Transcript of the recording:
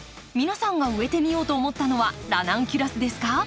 皆さんが植えてみようと思ったのはラナンキュラスですか？